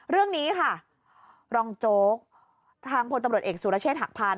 เรื่องนี้ค่ะรองโจ๊กทางพลตำรวจเอกสุรเชษฐหักพาน